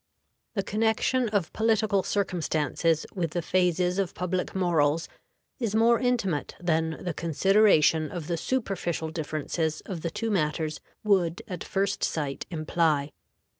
The connection of political circumstances with the phases of public morals is more intimate than the consideration of the superficial differences of the two matters would at first sight imply.